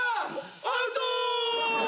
アウト！